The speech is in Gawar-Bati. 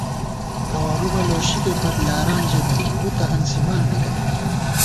گوَرُومہ لوشِکےپت یاران ژَمېت، ووئی تہ ہنسِمان بی نئ